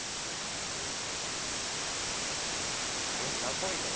これナポリタンですね。